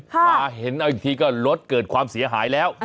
มาเจอที่รถเกิดความเสียหายแล้ว